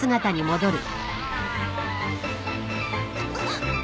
あっ！